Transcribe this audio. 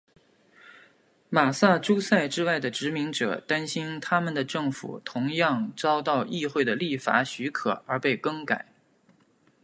马萨诸塞之外的殖民者担心他们的政府同样遭到议会的立法许可而被更改。